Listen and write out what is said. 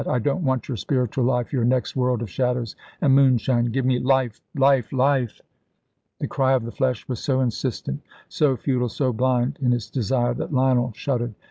I don't want your spiritual life, your next world of shadows and moonshine. Give me life life life!" The cry of the flesh was so insistent, so futile, so blind in its desire, that Lionel shuddered.